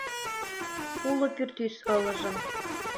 Уло пӱртӱс ылыжын.